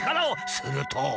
すると。